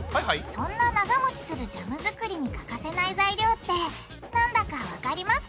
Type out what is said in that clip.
そんな長もちするジャム作りに欠かせない材料ってなんだかわかりますか？